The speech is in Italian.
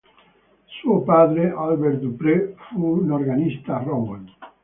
Suo padre Albert Dupré fu un organista a Rouen.